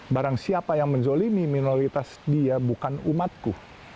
barang siapa yang menzolimi minoritas dia bukan umatku